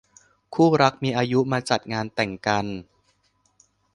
คู่รักมีอายุมาจัดงานแต่งกัน